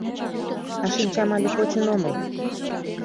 А шинчам але почын омыл.